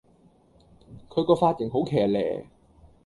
佢個髮型好騎咧